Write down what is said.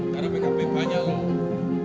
karena pkp banyak loh